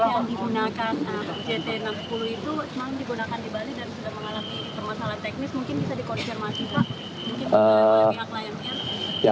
masalah teknis mungkin bisa dikonfirmasi pak